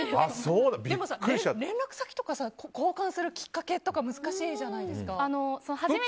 でも連絡先とか交換するきっかけとか難しいじゃないですか。